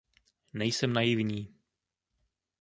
Nejsem naivní.